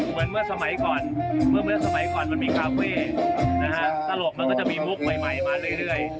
เหมือนเมื่อสมัยก่อนเมื่อสมัยก่อนมันมีคาเฟ่นะฮะตลกมันก็จะมีมุกใหม่มาเรื่อย